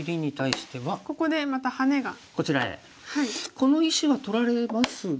この石は取られますが。